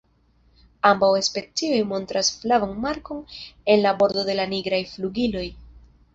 Ambaŭ specioj montras flavan markon en la bordo de la nigraj flugiloj.